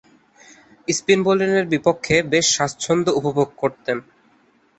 Spin বোলিংয়ের বিপক্ষে বেশ স্বাচ্ছন্দ্য উপভোগ করতেন।